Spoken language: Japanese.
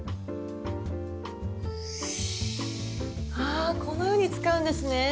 あこのように使うんですね！